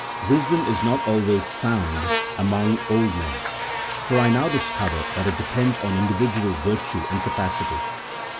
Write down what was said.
wisdom is not always found among old men, for I now discover that it depends on individual virtue and capacity.